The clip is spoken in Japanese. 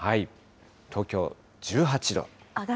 東京１８度。